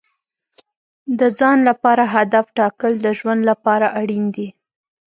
د ځان لپاره هدف ټاکل د ژوند لپاره اړین دي.